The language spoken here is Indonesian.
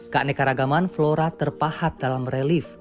kakneka ragaman flora terpahat dalam relief